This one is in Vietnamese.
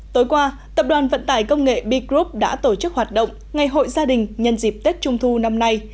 tối qua tập đoàn vận tải công nghệ b group đã tổ chức hoạt động ngày hội gia đình nhân dịp tết trung thu năm nay